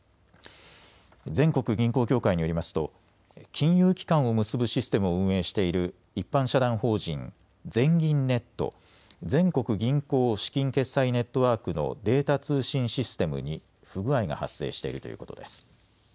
全国銀行協会によりますと金融機関を結ぶシステムを運営している一般社団法人、全銀ネット・全国銀行資金決済ネットワークのデータ通信システムに不具合が発生しているということです。